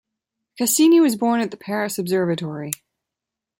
Cassini was born at the Paris Observatory.